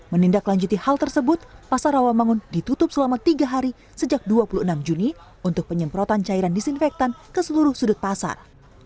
menindaklanjuti hal tersebut pasar rawamangun ditutup selama tiga hari sejak dua puluh enam juni untuk penyemprotan cairan disinfektan ke seluruh sudut pasar